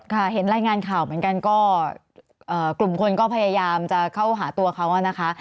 ค่ะเห็นรายงานข่าวเหมือนกันก็กลุ่มคนก็พยายามจะเข้าหาตัวเขานะคะ